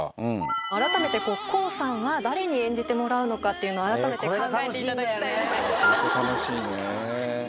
改めて康さんは誰に演じてもらうのかっていうのを改めて考えていただきたいんですけど。